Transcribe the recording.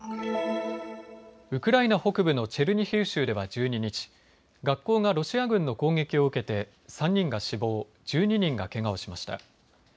ウクライナ北部のチェルニヒウ州では１２日、学校がロシア軍の攻撃を受けて３人が死亡、１２人がけがをしました。